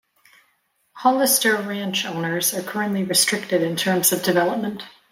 Hollister Ranch owners are currently restricted in terms of development.